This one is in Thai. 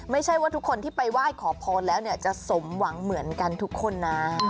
ไม่ใช่ว่าทุกคนที่ไปไหว้ขอพรแล้วเนี่ยจะสมหวังเหมือนกันทุกคนนะ